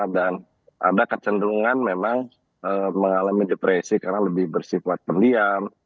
dan ada kecenderungan memang mengalami depresi karena lebih bersifat pendiam